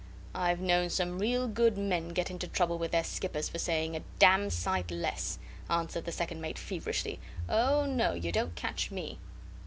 "I've known some real good men get into trouble with their skippers for saying a dam' sight less," answered the second mate feverishly. "Oh, no! You don't catch me."